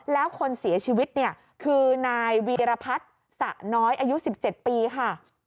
แล้วคนเสียชีวิตเนี่ยคือนายวีรพัฒน์สะน้อยอายุ๑๗ปีค่ะ